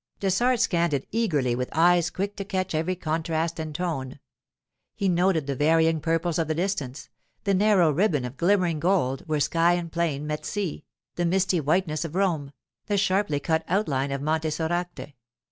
Dessart scanned it eagerly with eyes quick to catch every contrast and tone; he noted the varying purples of the distance, the narrow ribbon of glimmering gold where sky and plain met the sea, the misty whiteness of Rome, the sharply cut outline of Monte Soracte.